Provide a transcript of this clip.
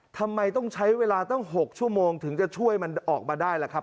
ทำไมต้องใช้เวลาตั้ง๖ชั่วโมงถึงจะช่วยมันออกมาได้ล่ะครับ